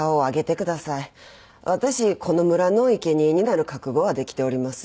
私この村の生贄になる覚悟はできております。